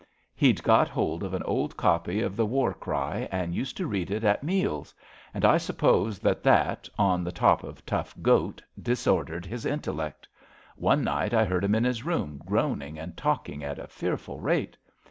He'd got hold of an old copy of the War Cry and used to read it at meals; and I suppose that that, on the top of tough goat, dis ordered his intellect. One night I heard him in his room groaning and talking at a fearful rate.